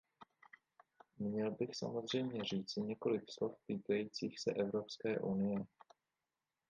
Měl bych samozřejmě říci několik slov týkajících se Evropské unie.